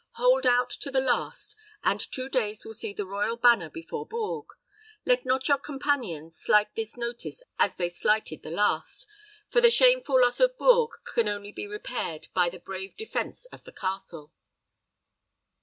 Hold out to the last, and two days will see the royal banner before Bourges. Let not your companions slight this notice as they slighted the last; for the shameful loss of Bourges can only be repaired by the brave defense of the castle."